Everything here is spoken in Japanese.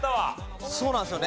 そうなんですよね。